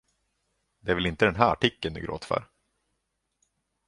Det är väl inte den här artikeln du gråter för?